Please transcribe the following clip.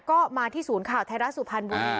ก็มาที่ศูนย์ข่าวไทยรัฐสุพรรณบุรี